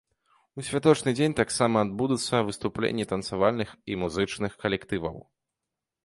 У святочны дзень таксама адбудуцца выступленні танцавальных і музычных калектываў.